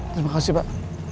terima kasih pak